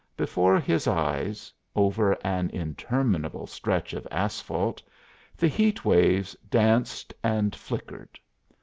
Before his eyes, over an interminable stretch of asphalt, the heat waves danced and flickered.